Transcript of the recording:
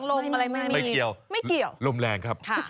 ของลมไม่มีลมแรงครับ